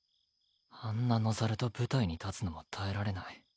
あんな野猿と舞台に立つのも耐えられない。